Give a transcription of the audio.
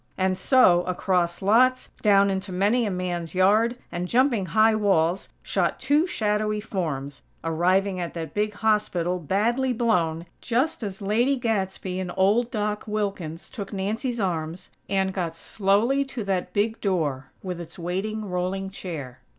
And so, across lots, down into many a man's yard, and jumping high walls, shot two shadowy forms, arriving at that big hospital, badly blown, just as Lady Gadsby and old Doc Wilkins took Nancy's arms, and got slowly to that big door with its waiting rolling chair.